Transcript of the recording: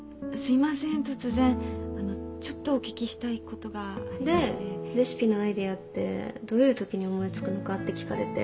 あのちょっとお聞きしたいことがでレシピのアイデアってどういうときに思い付くのかって聞かれて。